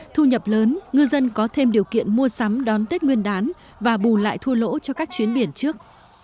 thu nhập lớn ngư dân có thêm điều kiện mua sắm đón tết nguyên đán và bù lại thua lỗ cho các chuyến biển trước